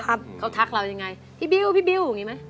พี่บิวพี่บิวอย่างนี้ไหม